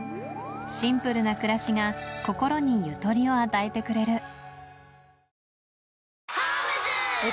シンプルな暮らしが心にゆとりを与えてくれる